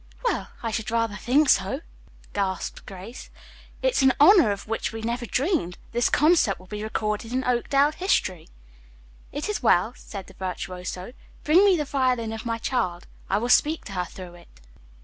"Well, I should rather think so," gasped Grace. "It is an honor of which we never dreamed. This concert will be recorded in Oakdale history." "It is well," said the virtuoso. "Bring me the violin of my child. I will speak to her through it."